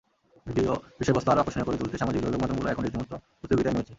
Video বিষয়বস্তু আরও আকর্ষণীয় করে তুলতে সামাজিক যোগাযোগমাধ্যমগুলো এখন রীতিমতো প্রতিযোগিতায় নেমেছে।